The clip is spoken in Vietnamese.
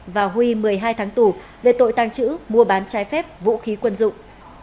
và huy một mươi hai tháng tù về tội tàng trữ mua bán trái phép vũ khí quân dụng